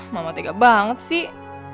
mama tega banget sih